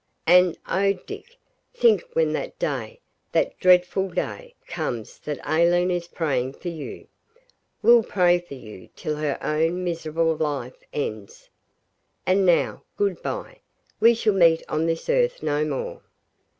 And oh, Dick! think when that day, that dreadful day, comes that Aileen is praying for you will pray for you till her own miserable life ends. And now good bye; we shall meet on this earth no more.